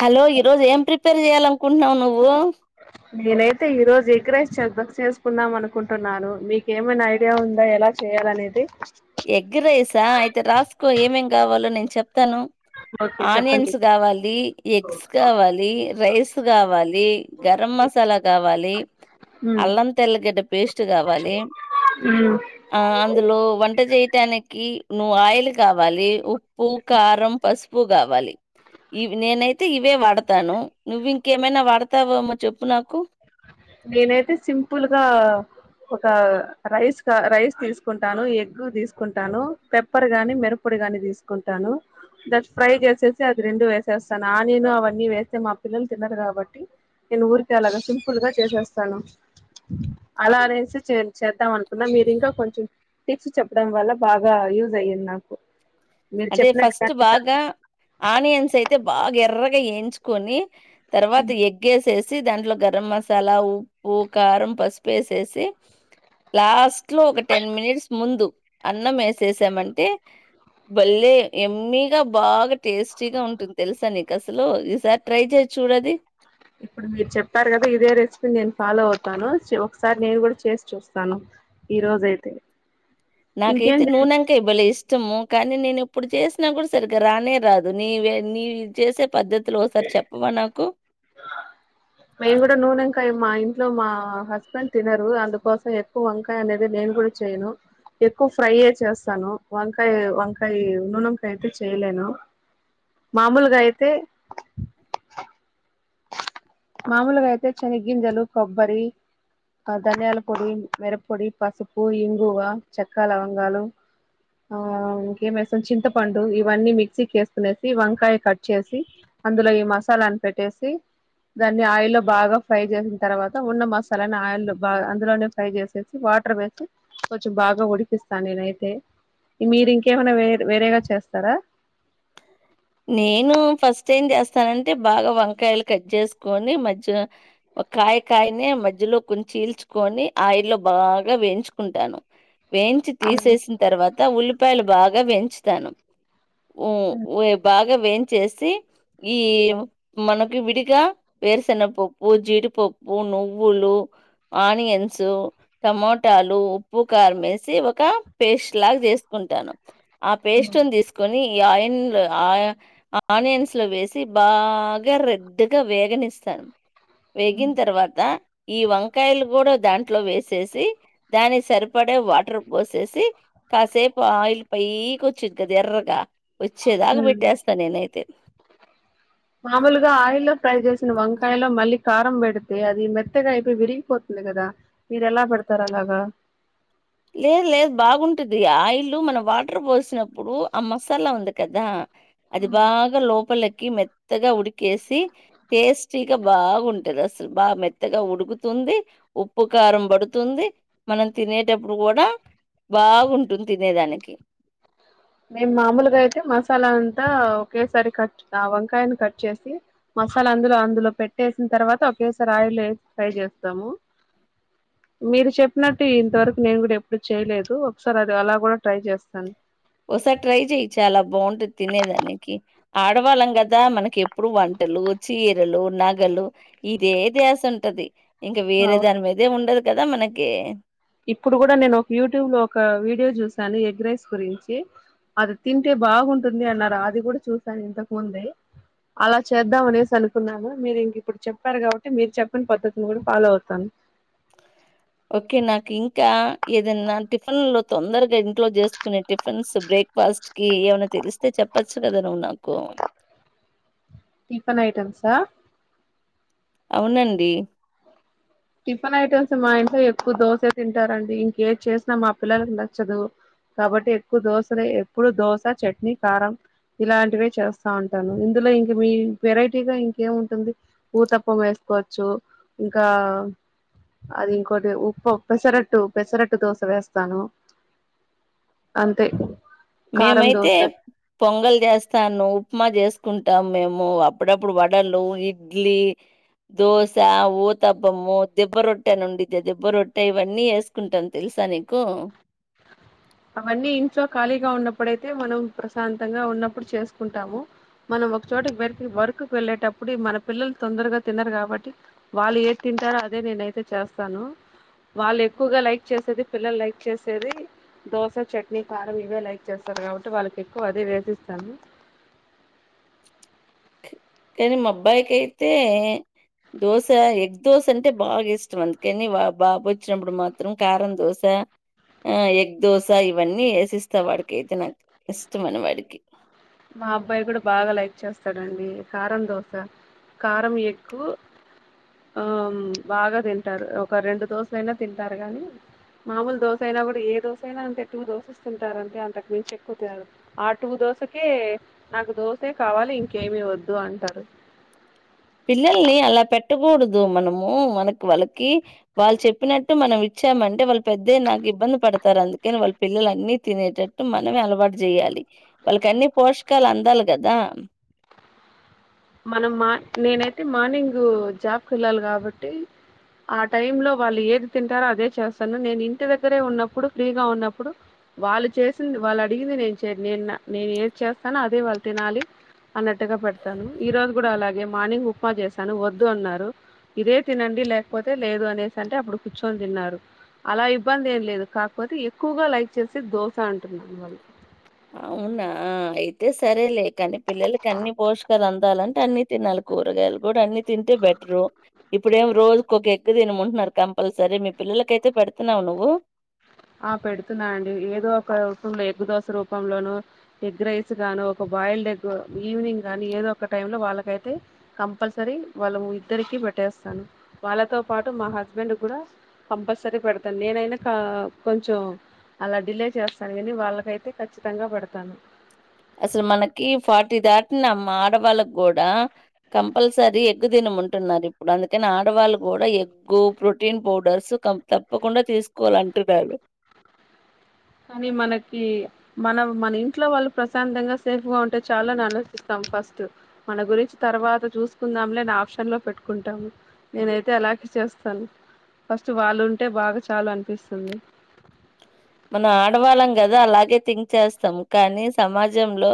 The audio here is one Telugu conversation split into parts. హలో ఈరోజు ఏం ప్రిపేర్ చేయాలనుకుంటున్నావు నువ్వు నేనైతే ఈ రోజు ఎగ్ రైస్ చేద్దాం చేసుకుందాం అనుకుంటున్నాను మీకు ఏమైనా ఐడియా ఉందా ఎలా చే చేయాలి అనేది ఎగ్ రైసా అయితే రాసుకో ఏమేం కావాలో నేను చెప్తాను. ఓ ఆనియన్స్ కావాలి, ఎగ్స్ కావాలి, రైస్ కావాలి, గరం మసాలా కావాలి ఉమ్ అల్లం తెల్లగడ్డ పేస్ట్ కావాలి. ఉమ్ ఆ అందులో వం చేయటానికి నువ్వు ఆయిల్ కావాలి ఉప్పు కారం పసుపు కావాలి. ఇవి నేనైతే ఇవే వాడతాను నువ్వు ఇంకేమైనా వాడతావమో చెప్పు నాకు. నేనైతే సింపుల్గా ఒక రైస్ కా రైస్ తీసుకుంటాను ఎగ్ తీసుకుంటాను పెప్పర్ గాని మిరుపొడి గాని తీసుకుంటాను ద ఫ్రై చేసేసి అది రెండు వేసేస్తాను ఆనియన్ అవన్నీ వేస్తే మా పిల్లలు తినరు కాబట్టి నేను ఊరికే అలాగా సిం ఫుల్ గా చేసేస్తాను అలా అనేసి చే చేద్దాం అనుకున్న మీరింకా కొంచం టిప్స్ చెప్పడం వల్ల బాగా యూజ్ అయింది నాకు మీరు అదే ఫస్ట్ చెప్పినట్టుగానే సార్ బాగా ఆనియన్స్ అయితే బాగా ఎర్రగా ఏంచూకోని తర్వాత ఎగ్ ఎస్ సి దాంట్లో గరం మసాలా ఉప్పు కారం పసుపు ఏసేసి లాస్ట్ లో ఒక టెన్ మినిట్స్ ముందు అన్నం వేసేసామంటే బల్లేె ఎమ్మిగా బాగా టేస్టీ గా ఉంటుంది తెలుసా నీకు అసలు ఈసారి ట్రై చేయ్యి చు చూడది ఇప్పుడు మీరు చెప్పారు కదా ఇదే రెసిపీ నేను ఫాలో అవుతాను ఒకసారి నేను కూడా చేసి చూస్తాను. ఈ రోజైతే నాకైతే నూనెంకాయ బలే ఇష్ ష్టము కానీ నేను ఎప్పుడు చేసినా కూడా సరిగ్గా రానే రాదు నీవే నీ చేసే పద్ధ త్లో ఒకసారి చెప్పవా నాకు అ మేము కూడా నూనెంకాయ మా ఇంట్లో మా హస్బెండ్ తినరు అందుకోసం ఎక్కువ వంకాయ అనేది నే ను కూడా చేయను ఎక్కువ ఫ్రై చేస్తాను వంకాయ వంకాయ నూనెంకాయ అయితే చేయలేను మామూలుగా అయితే మామూలుగా అయితే శని గింజలు కొబ్బరి ఆ ధనియాల పొడి మిరపొడి పసుపు ఇంగువ చెక్క లవంగాలు ఆ ఇంకేమేస్తాం చింతపండు ఇవన్నీ మిక్సీకి ఏసుకునేసి వంకాయ కట్ చేసి అందులో ఈ మసాలాను పెట్టేసి దాన్ని ఆయిల్ల్లో బాగా ఫ్రై చేసిన తర్వాత ఉన్న మసాలాని ఆయిల్ బాగా అందులోనే ఫ్రై చేసేసి వా టర్ వేసి కొంచం బాగా ఉడికిస్తా నేనైతే మీరు ఇంకేమైనా వేరే వేరేగా చేస్తారా నేను ఫస్ట్ ఏం చేస్తానంటే బాగా వంకాయలు కట్ చేసుకొని మధ్య కాయ కాయనే మధ్యలోకి కొంచం చీల్చుకొని ఆయిల్లో బాగా వేయించుకుంటాను వేయించి తీసేసిన తర్వాత ఉల్లిపాయలు బాగా వేంచుతాను ఊ ఉ బాగా వేయించేేసి ఈ మనకి విడిగా వేరుశెన్నపప్పు జీడిపప్పు నువ్వులు ఆనియన్స్ టమటాలు ఉప్పు కారం వేసి ఒక పేస్ట్ లాగా చేసుకుంటాను ఆ పేస్ట్ ని తీసుకుని ఈ ఆయిన్ల ఆ ఆనియన్స్ లో వేసి బాగ రెడ్గా వేగనిస్తాను వేగిన్ తర్వాత ఈ వంకాయలు కూడ దాంట్లో వేసేసి దాని సరిపడే వాటర్ పోసేసి కాసేపు ఆయిల్ పైకి వచ్చిది కదా ఎర్రగా వచ్చేదాకా పెట్టేస్తా నేనైతే. మామూలుగ ఆయిల్లో ఫ్రై చే వంకాయలో మళ్ళీ కారం పెడితే అది మెత్తగా అయిపోయి విరిగిపోతుంది కదా మీరు ఎలా పెడతారు అలాగా లేదు లేదు బాగుంటది ఆయిల్లు మన వాటర్ పోసినప్పుడు ఆ మసాల ఉంది కదా అది బాగ లోపలె మెత్తగా ఉడికేసి టేస్టీ గా బాగుంటది అసలు బా మెత్తగా ఉడుకుతు ఉప్పు కారం పడుతుంది మనం తినే టప్పుడు కూడా బాగుంటుంది తినేదానికి మేం మామూలుగా అయితే మసాల అంతా ఒకేసారి కట్ ఆ వంకాయని కట్ చేసి మసాల అందులో అందులో పెట్టేసిన తర్వాత ఒకేసారి ఆయిల్ వేసి ఫ్రై చేస్తాము మీరు చెప్పినట్టే ఇంతవరకు నేను కూడ ఎప్పుడు చేయలేదు ఒకసారి అది అలా కూడా ట్రై చేస్తాను ఒకసారి ట్రై చెయి చాల బాగుంటది తినేదానికి ఆడవాళ్ళం కదా మనకి ఎప్పుడు వంటలు చీరలు నగలు ఇదే ద్యాస ఉంటది ఇంకా వేరే దాని మీదే ఉండదు కదా మనకి ఇప్పుడు కూడ నేను ఒక యూట్యూబ్ లో ఒక వీడియో చూశాను ఎగ్ రైస్ గురించి అది తింటే బాగుంటుంది అన్నారు అది కూడ చూసాను ఇంతకుముందే అలా చేద్దామ అనేసి అనుకున్నాను మీరు ఇంక ఇప్పుడు చెప్పారు కాబట్టి మీరు చెప్పిన పద్ధతిని కూడ ఫాలో అవుతాను ఒకే నాకు ఇంకా ఏదన్నా టిఫిన్ లో తొందరగా ఇంట్లో చేసుకునే టిఫిన్స్ బ్రే క్ఫాస్ట్ కి ఏమైన్నా తెలిస్తే చెప్పచ్చు కదా నువ్వు నాకు టిఫన్ ఐటెమ్సా అవునండి టిఫిన్ ఐటెమ్స్ మా ఇంట్లో ఎక్కువ దోస తింటారండి ఇంకే చేసినా మా పిల్లలకి నచ్చదు కాబట్టి ఎక్కువ దోశలే ఎప్పుడు దోశ చట్నీ కారం ఇలాంటివే చేస్త ఉంటాను ఇందులో ఇంక మీ వెరైటీగా ఇంకేముంటుంది ఊతప్పం వేసుకోవచ్చు ఇంకా అది ఇంకోటి [unintelligible] పెసరట్టు పెసరట్టు దోశ వేస్తాను అంతే కారం మేమైతే దోశ పొంగల్ చేస్తాను ఉప్మా చేస్ కుంటాం మేము అప్పుడప్పుడు వడలు ఇడ్లీ దోస ఊతబ్బము దెబ్బ రొట్టె అని ఉండిది దెబ్బ రొట్టె ఇవన్నీ వేసుకుంటాను తెలు [unintelligible] నీకు అవన్నీ ఇంట్లో ఖాళీగ ఉన్నప్పుడయితే మనం ప్రశాంతంగా ఉన్నప్పుడు చేసుకుంటాము మనం ఒక చోట పెరికి వర్క్ వెళ్ళేటప్పుడు మన పిల్లలు తొందరగా తినరు కాబట్టి వాళ్ళు ఏ తింటారో అదే నేనయితే చేస్తాను వాళ్ళు ఎక్కువగా లైక్ చేసేది పిల్లలు లైక్ చేసేది దోశ చట్నీ కారం ఇవే లైక్ చేస్తారు కాబట్టి వాళ్ళకి ఎక్కువ అదే వేసిస్తాను ఇ కానీ మబ్బాయికైతే దోశ ఎగ్ దోశ అంటే బాగా ఇష్టం అందుకని బాబు వచ్చినప్పుడు మాత్రం కారం దోశ ఆ ఎగ్ దోశ ఇవన్నీ వేసిస్త వాడికి అయితే నాకు ఇష్టమనీ వాడికి మా అబ్బాయి కూడ బాగా లైక్ చేస్తాడండి కారం దోశ కారం ఎగ్గు ఆ బాగా తింటారు ఒక రెండు దోశలైనా తింటారు గాని మామూలు దోశ అయినా కూడా ఏ దోశ అయినా అంటే టూ దోశ తింటారంటే అంతకు మించి ఎక్కువ తినరు ఆ టూ దోశ కే నాకు దోసే కావాలి ఇంకేమి వద్దు అంటారు పిల్లల్ని అలా పెట్టకూడదు మనము మనకి వాళ్ళకి వాళ్ళు చెప్పినట్టు మనం ఇచ్చ చ్చాం అంటే వాళ్ళు పెద్దైయినాక ఇబ్బంది పడతారు అందుకని వాళ్ళ పిల్లల్ అన్ని తినేటట్టు మనమే అలవాటు చేయాలి వాళ్ళక్ అన్నీ పోషకాలు అందాలి కదా మనం మార్ నేనైతే మార్నింగు జాబ్కి యెళ్ళాలి కాబట్టి ఆ టైమ్ లో వాళ్ళు ఏది తింటారో అదే చేస్తాను నేను ఇంటి దగ్గరే ఉన్నప్పుడు ఫ్రీగా ఉన్నప్పుడు వాళ్ళు చేసింది వాళ్ళు అడిగింది నేను చెయ్యను నేను నేను ఏది చేస్తానో అదే వాళ్ళు తినాలి అన్నట్టుగా పెడతాను ఈ రోజు కూడా అలాగే మార్నింగ్ ఉప్మా చేశాను వద్దు అన్నారు ఇదే తినండి లేకపోతే లేదు అనేసి అంటే అప్పుడు కూర్చొని తిన్నారు అలా ఇబ్బంది ఏం లేదు కాకపోతే ఎక్కువగా లైక్ చేసేది దోశ అంటున్నా వాళ్ళు అవునా అయితే సరేలే కానీ పిల్లలకి అన్ని పోషకలు అం దాలంటే అన్ని తినాలి కూరగాయలు కూడా అన్ని తింటే బెటరు ఇప్పుడేమో రోజుకు ఒక ఎగ్ తినమంటున్నారు కంపల్సరీ మీ పిల్లలకైతే పెడతన్నావా నువ్వు ఆ పెడుతున్నా అండి ఏదో ఒక రూపంలో ఎగ్ దోశ రూపంలోనో ఎగ్ రైస్ గానో ఒక బాయిల్డ్ ఎగ్ ఈవినింగ్ కానీ ఏదో ఒక టైం లో వాళ్ళకైతే కంపల్సరీ వాళ్ళు ఇద్దరికి పెట్ట ట్టేస్తాను వాళ్ళతో పాటు మా హస్బెండ్కి కూడా కంపల్సరీ పెడతాను నేనైనా కా కొంచెం అలా డిలే చేస్తాను కానీ వాళ్ళకైతే ఖచ్చితంగా పెడతాను అసలు మనకి ఫార్టీ దాటినా అమ్మ ఆడవాళ్ళకూడా కంపల్సరీ ఎగ్ తిన మంటున్నారు ఇప్పుడు అందుకని ఆడవాళ్ళు కూడా ఎగ్గు ప్రోటీన్ పౌడర్స్ తప్పకుండా తీసుకోవాల అంటున్నారు కానీ మనకి మన మన ఇంట్లో వాళ్ళు ప్రశాంతంగా సేఫ్ గా ఉంటే చాలు అని ఆలోచిస్తాం ఫస్ట్ మన గురించి తర్వాత చూసుకుందాం లే అని ఆప్షన్ లో పెట్టుకుంటాము నేనైతే అలాగే చేస్తాను ఫస్ట్ వాళ్ళు ఉంటే బాగా చాలు అనిపిస్తుంది మనం ఆడవాళ్ళం కదా అలాగే థింక్ చేస్తాము కానీ సమాజంలో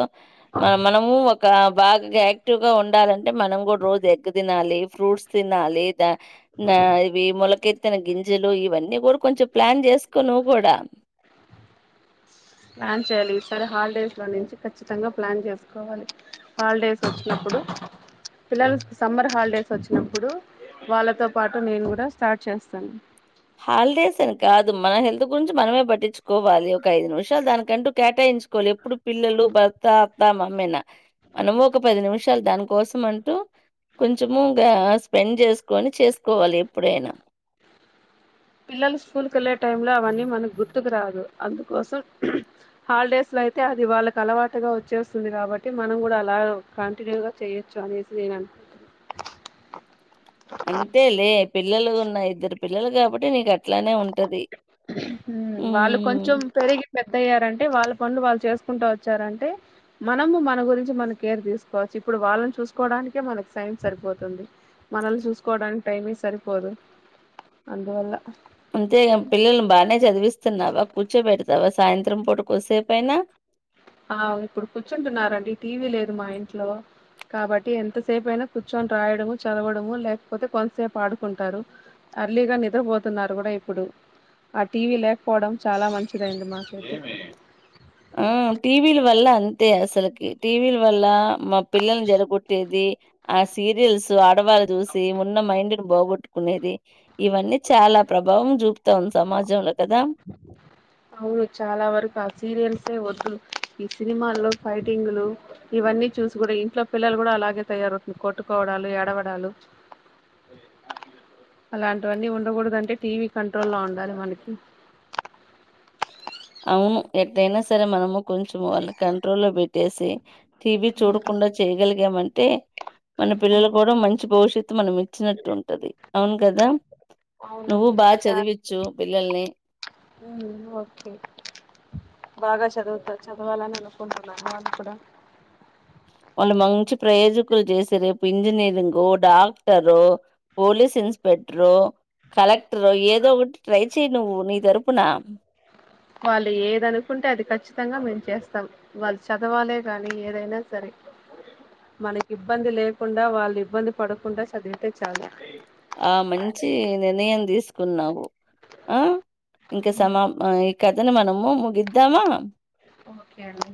మన మనము ఒక బాగా యాక్టివ్ గా ఉండాలంటే మనం కూడా రోజు ఎగ్ తినాలి ఫ్రూట్స్ తినాలి దా నా ఇవి మోలకె తిన గింజలు ఇవన్నీ కూడా కొంచెం ప్లాన్ చేసుకో నువ్వు కూడా ప్లాన్ చెయాలి ఈసారి హాలిడేస్ లో నుంచి ఖచ్చితంగా ప్లాన్ చేసుకోవాలి హాలిడేస్ వచ్చినప్పుడు పిల్లలకి సమ్మర్ హాలిడేస్ అచ్చినప్పుడు వాళ్ళతో పాటు నేను కూడా స్టార్ట్ చేస్తాను హాలిడేస్ అని కాదు మన హెల్త్ గురించి మనమే పట్టిచుకోవాలి ఒక ఐదు నిమిషాలు దానికంటూ కేటాయి సుకోవాలి ఎప్పుడు పిల్లలు భర్త అత్త మామ్మేనా మనము ఒక పది నిమిషాలు దాని కోసం అంటూ కొంచము గా స్పెండ్ చేసుకొని చేసుకోవాలి ఎప్పుడైనా పిల్లలు స్కూల్కి వెళ్ళే టైం లో అవన్నీ మనకు గుర్తుకు రాదు అందుకోసం హాలిడేస్ లో అయితే అది వాళ్ళకి అలవాటుగా వచ్చేస్తుంది కాబట్టి మనం కూడా అలా కంటిన్యూ గా చెయొచ్చు అనేసి నేను అనుకుంటున్నా అంతేలే పిల్లలు ఉన్న ఇద్దరు పిల్లలు కాబట్టి నీకు అట్లానే ఉంటది వాళ్ళు హ్మ్. కొంచెం పెరిగి పెద్దయ్యారంటే వాళ్ళు పన్నులు వాళ్ళు చేసుకుంటా వచ్చారంటే మనము మన గురించి మన కేర్ తీసుకోవచ్చు ఇప్పుడు వాళ్ళని చూసుకోవడానికే మనకి సైన్ సరిపోతుంది మనల్ని చూసుకోవడానికి టైమే సరిపోదు అందువల్ల అంతేగా పిల్లలను బానే చదివిస్తన్నావా కూర్చోబెడ లేదా సాయంత్రం పుట కొసే పైనా ఆ ఇప్పుడు కూర్చుంటున్నారండి టీవీ లేదు మా ఇంట్లో కాబట్టి ఎంతసేపయినా కూర్చొని రాయడము చదవడము లేకపోతే కొంతసేపు ఆడుకుంటారు అర్లీగా నిద్రపోతున్నారు కూడా ఇప్పుడు ఆ టీవీ లేకపోవడం చాలా మంచిదైంది మాకైతే ఆ టీవీల వల్ల అంతే అసలకి టీవీల వల్ల పిల్లల్ని జడగొట్టేది ఆ సీరియల్స్ ఆడవాళ్ళు చూసి ఉన్న మైండ్ బొగొట్టుకునేది ఇవన్నీ చాలా ప్రభావం చూపుతా ఉంది సమాజంలో కదా అవును చాలా వరకు ఆ సీరియల్స్ యే వద్దు ఈ సినిమాల్లో ఫైటింగ్లు ఇవన్నీ చూసి కూడా ఇంట్లో పిల్లలు కూడా అలాగే తయారవుతుంది కొట్టుకోవడాలు ఏడవడాలు అలాంటివన్నీ ఉండకూడదు అంటే టీవీ కంట్రోల్ లో ఉండాలి మనకి అవును ఎట్ట అయినా సరే మనము కొంచెం వాళ్ళని కంట్రోల్ లో పెట్టేసి టీవీ చూడకుండా చేయగలిగామంటే మన పిల్లలు అవునండి కూడా మంచి భవిష్యత్ మనం ఇచ్చినట్టు ఉంటది అవును కదా నువ్వు అవునండి బాగా చదివిచ్చు పిల్లల్ని మ్మ్ ఓకే బాగా చదువుతా చదవాలని అనుకుంటున్నా వాళ్ళు కూడా వాళ్ళు మంచి ప్రయోజకులు చేసి రేపు ఇంజనీరింగ్ డాక్ టరో పోలీస్ ఇన్స్పెక్టరో కలెక్టర్ రో ఏదో ఒకటి ట్రై చెయి నువ్వు నీ తరుపున వాళ్ళు ఏద అనుకుంటే అది ఖచ్చితంగా మేము చేస్తాం వాళ్ళు చదవాలే కాని ఏదైనా సరే మనకి ఇబ్బంది లేకుండా వాళ్ళు ఇబ్బంది పడకుండా చదివితే చాలు ఆ మంచి నిర్ణయం దీసుకున్నావు ఆ ఇంక సమా ఈ కథను మనము ముగిద్దామా ఓకే అండి